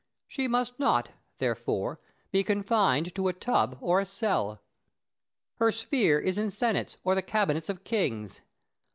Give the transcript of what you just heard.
She must not, therefore, be confined to a tub or a cell. Her sphere is in senates or the cabinets of kings.